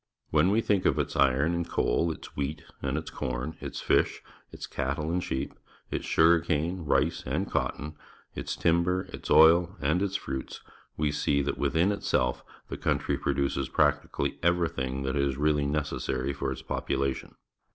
WTien we think of its iron and coal, its wheat and its corn, its fish, its cattle and sheep, its sugar cane, rice, and cotton, its timber, its oil, and its fruits, we see that within itself the country produces practically every thing that is really necessarj' for its population.